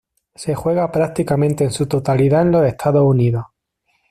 Se juega prácticamente en su totalidad en los Estados Unidos.